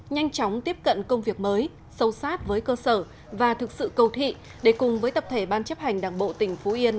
nhanh chóng tiếp cận công việc mới sâu sát với cơ sở và thực sự cầu thị để cùng với tập thể ban chấp hành đảng bộ tỉnh phú yên